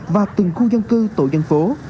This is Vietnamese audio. và từng khu dân cư tổ dân phố